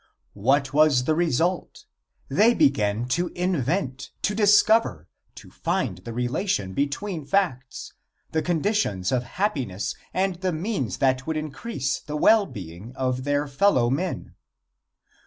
What was the result? They began to invent, to discover, to find the relation between facts, the conditions of happiness and the means that would increase the well being of their fellow men.